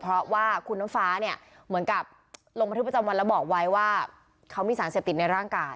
เพราะว่าคุณน้ำฟ้าเนี่ยเหมือนกับลงบันทึกประจำวันแล้วบอกไว้ว่าเขามีสารเสพติดในร่างกาย